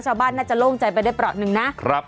ชาวบ้านน่าจะโล่งใจไปได้เปราะหนึ่งนะ